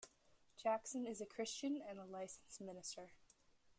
Jackson is a Christian and a licensed minister.